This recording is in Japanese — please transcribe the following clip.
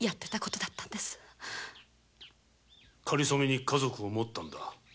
かりそめに家族を持ったんだ。